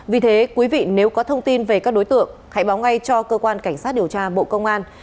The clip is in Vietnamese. vì thế quý vị nếu có thông tin về các đối tượng hãy báo ngay cho cơ quan cảnh sát điều tra bộ công an